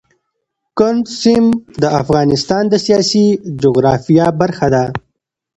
کندز سیند د افغانستان د سیاسي جغرافیه برخه ده.